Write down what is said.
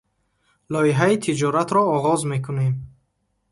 Лоиҳаи тиҷоратро оғоз мекунем.